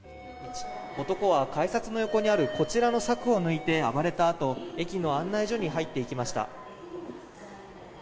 男は改札の横にあるこちらの柵を抜いて暴れたあと駅の案内所に入っていきました。